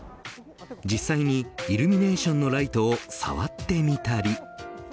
実際にイルミネーションのライトを触ってみたり。